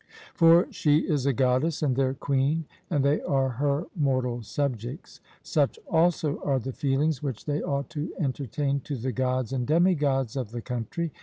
For she is a goddess and their queen, and they are her mortal subjects. Such also are the feelings which they ought to entertain to the Gods and demi gods of the country.